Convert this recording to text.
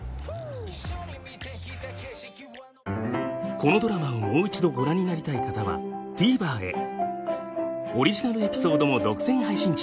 このドラマをもう一度ご覧になりたい方はＴＶｅｒへオリジナルエピソードも独占配信中！